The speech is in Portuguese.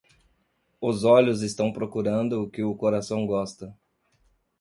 Os olhos estão procurando o que o coração gosta.